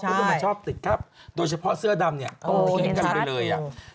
ไม่ต้องมาชอบติดครับโดยเฉพาะเสื้อดำต้องทิ้งกันไปเลย